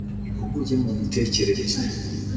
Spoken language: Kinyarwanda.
impuguke mu mitekerereze